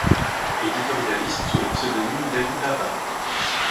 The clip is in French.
Éditorialiste sous le pseudonyme d'Ali Baba.